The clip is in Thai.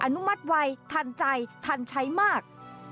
อนุมัติไวทันใจทันใช้มาก